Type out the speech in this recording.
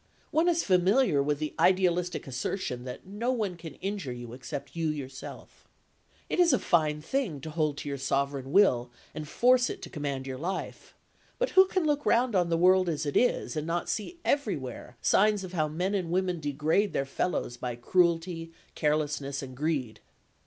One is familiar with the idealistic assertion that no one can injure you except you yourself. It is a fine thing to hold to your sovereign will and force it to command your life, but who can look round on the world as it is and not see everywhere signs of how men and women degrade their fellows by cruelty, carelessness and greed?